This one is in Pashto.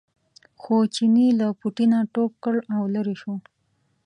خو چیني له پوټي نه ټوپ کړ او لرې شو.